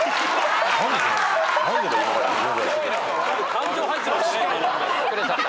・感情入ってますね。